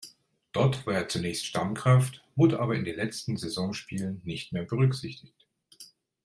Dort war er zunächst Stammkraft, wurde aber in den letzten Saisonspielen nicht mehr berücksichtigt.